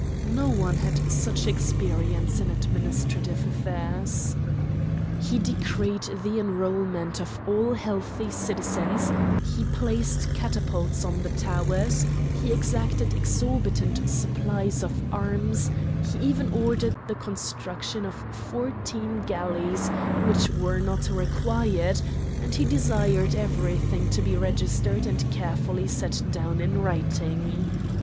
No one had such experience in administrative affairs. He decreed the enrolment of all healthy citizens, he placed catapults on the towers, he exacted exorbitant supplies of arms, he even ordered the construction of fourteen galleys which were not required, and he desired everything to be registered and carefully set down in writing.